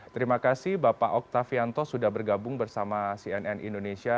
terima kasih bapak oktavianto sudah bergabung bersama cnn indonesia